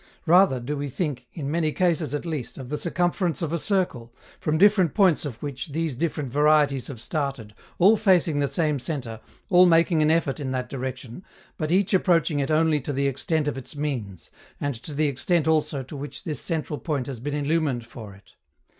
Rather do we think, in many cases at least, of the circumference of a circle, from different points of which these different varieties have started, all facing the same centre, all making an effort in that direction, but each approaching it only to the extent of its means, and to the extent also to which this central point has been illumined for it.